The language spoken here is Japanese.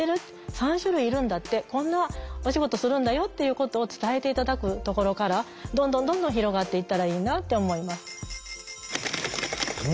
３種類いるんだってこんなお仕事するんだよっていうことを伝えて頂くところからどんどんどんどん広がっていったらいいなって思います。ね！